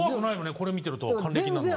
これ見てると還暦なのに。